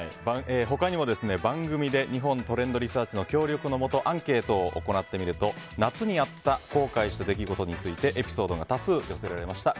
他にも番組で日本トレンドリサーチの協力のもとアンケートを行ってみると夏にやった後悔した出来事についてエピソードが多数寄せられました。